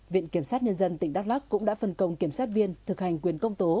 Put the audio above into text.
viện kiểm sát nhân dân tỉnh đắk lắc cũng đã phân công kiểm sát viên thực hành quyền công tố